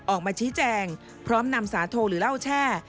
ออกมาชี้แจงพร้อมนำสาโทหรือเล่าแช่